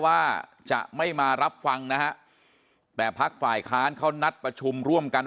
ว่าจะไม่มารับฟังนะฮะแต่พักฝ่ายค้านเขานัดประชุมร่วมกัน